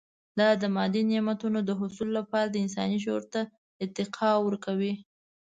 دا د مادي نعمتونو د حصول لپاره د انسان شعور ته ارتقا ورکوي.